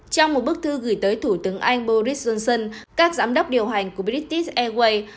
trong một bức thư gửi tới thủ tướng anh boris johnson các giám đốc điều hành của britis airways